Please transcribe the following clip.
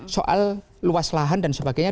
soal luas lahan dan sebagainya